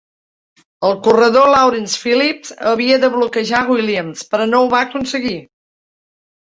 El corredor Lawrence Phillips havia de bloquejar a Williams, però no ho va aconseguir.